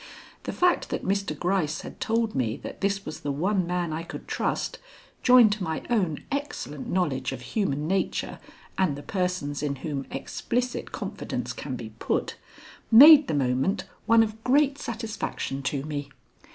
The fact that Mr. Gryce had told me that this was the one man I could trust, joined to my own excellent knowledge of human nature and the persons in whom explicit confidence can be put, made the moment one of great satisfaction to me.